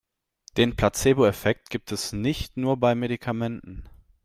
Den Placeboeffekt gibt es nicht nur bei Medikamenten.